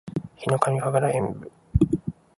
ヒノカミ神楽円舞（ひのかみかぐらえんぶ）